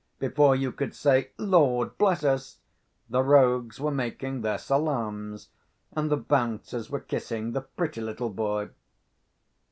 Before you could say, "Lord bless us!" the rogues were making their salaams; and the Bouncers were kissing the pretty little boy.